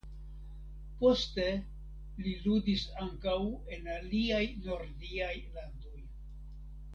Poste li ludis ankaŭ en aliaj nordiaj landoj.